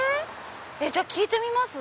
⁉じゃあ聞いてみます？